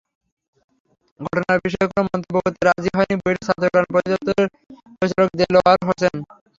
ঘটনার বিষয়ে কোনো মন্তব্য করতে রাজি হননি বুয়েটের ছাত্রকল্যাণ পরিদপ্তরের পরিচালক দেলাওয়ার হোসেন।